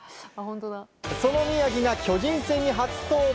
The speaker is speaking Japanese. その宮城が巨人戦に初登板。